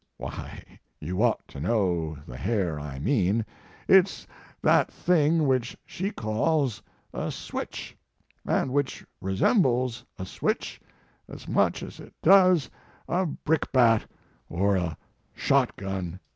Why you ought to know the hair I mean; it s that thing which she calls a switch, and which re sembles a switch as much as it does a brickbat or a shotgun.